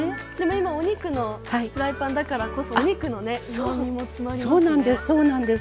今、お肉のフライパンだからこそお肉のうまみも詰まりますよね。